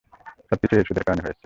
সবকিছু এই ওষুধের কারণে হয়েছে।